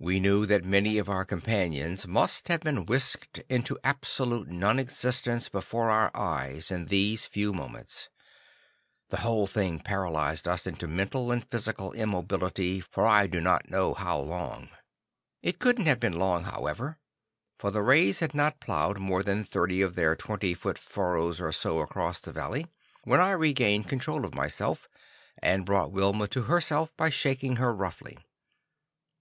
We knew that many of our companions must have been whisked into absolute non existence before our eyes in these few moments. The whole thing paralyzed us into mental and physical immobility for I do not know how long. It couldn't have been long, however, for the rays had not ploughed more than thirty of their twenty foot furrows or so across the valley, when I regained control of myself, and brought Wilma to herself by shaking her roughly.